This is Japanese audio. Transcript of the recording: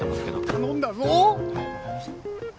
頼んだぞ。